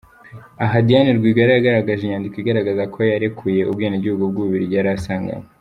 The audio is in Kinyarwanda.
Aha Diane Rwigara yagaragaje inyandiko igaragaza ko yarekuye ubwenegihugu bw’u Bubiligi yari asanganywe